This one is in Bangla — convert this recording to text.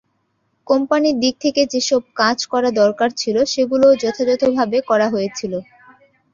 কোম্পানির দিক থেকে যেসব কাজ করা দরকার ছিল, সেগুলোও যথাযথভাবে করা হয়েছিল।